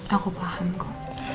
aku paham kok